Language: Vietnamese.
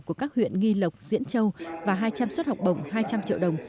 của các huyện nghi lộc diễn châu và hai trăm linh suất học bổng hai trăm linh triệu đồng